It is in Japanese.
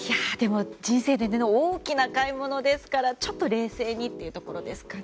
人生で大きな買い物ですからちょっと冷静にっていうところですかね。